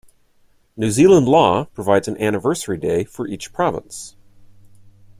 New Zealand law provides an anniversary day for each province.